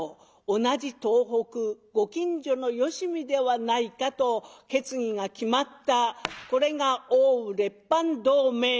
同じ東北ご近所のよしみではないか」と決議が決まったこれが奥羽列藩同盟。